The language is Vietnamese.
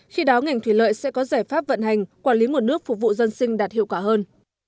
khi đó ngành thủy lợi sẽ có giải pháp vận hành quản lý nguồn nước phục vụ dân sinh đạt hiệu quả hơn